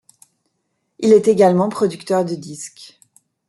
Il est également producteur de disques.